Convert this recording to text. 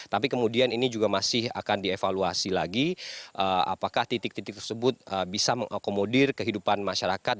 tapi kemudian ini juga masih akan dievaluasi lagi apakah titik titik tersebut bisa mengakomodir kehidupan masyarakat